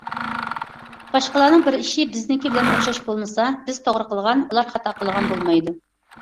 باشقىلارنىڭ بىر ئىشى بىزنىڭكى بىلەن ئوخشاش بولمىسا، بىز توغرا قىلغان، ئۇلار خاتا قىلغان بولمايدۇ.